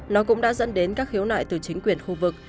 nó cũng đã dẫn đến các khiếu nại từ chính quyền khu vực